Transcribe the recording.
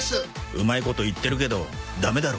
うまいこと言ってるけどダメだろ